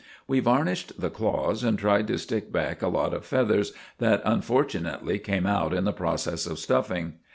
We varnished the claws, and tried to stick back a lot of feathers that unfortunately came out in the process of stuffing.